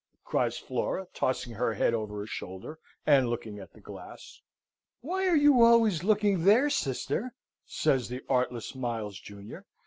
cries Flora, tossing her head over her shoulder, and looking at the glass. "Why are you always looking there, sister?" says the artless Miles junior.